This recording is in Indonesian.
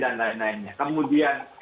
dan lain lainnya kemudian